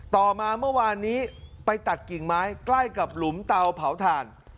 ต่อมาเมื่อวานนี้ไปตัดกิ่งไม้ใกล้กับหลุมเตาเผาถ่าน